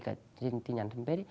cả trên tin nhắn thân vết